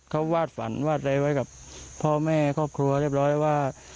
เขาวาดฝันวาดอะไรไว้กับพ่อแม่ครอบครัวเรียบร้อยว่า